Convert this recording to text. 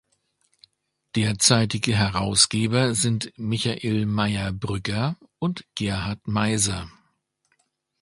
Derzeitige Herausgeber sind Michael Meier-Brügger und Gerhard Meiser.